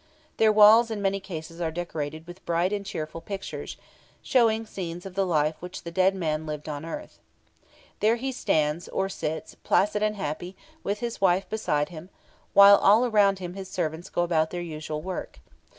Their walls, in many cases, are decorated with bright and cheerful pictures, showing scenes of the life which the dead man lived on earth. There he stands, or sits, placid and happy, with his wife beside him, while all around him his servants go about their usual work.